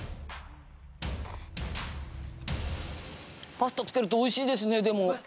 パスタつけると美味しいですねでも。